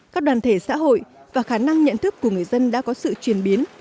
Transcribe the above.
các đoàn thể xã hội và khả năng nhận thức của người dân đã có sự chuyển biến